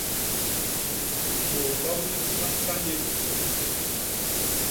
Bôt ba wip ba nsa nye juu.